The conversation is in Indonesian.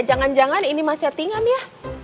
jangan jangan ini masih hati hati nih